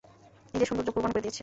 নিজের সৌন্দর্য কোরবান করে দিয়েছে।